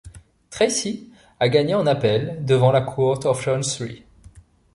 Tracie a gagné en appel devant la Court of Chancery.